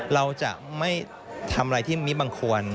เราจะไม่ทำอะไรที่มิบังควร